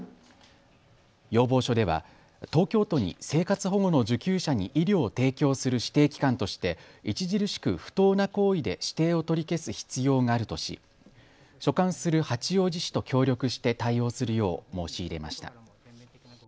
要望書では東京都に生活保護の受給者に医療を提供する指定機関として著しく不当な行為で指定を取り消す必要があるとし所管する八王子市と協力して対応するよう申し入れました。